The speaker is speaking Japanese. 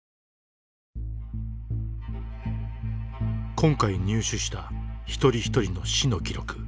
今回入手した一人一人の死の記録。